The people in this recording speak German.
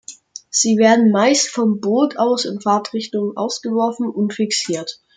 Sie werden meist vom Boot aus in Fahrtrichtung ausgeworfen und fixiert.